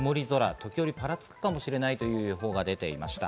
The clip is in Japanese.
時折ぱらつくかもしれないという予報が出ていました。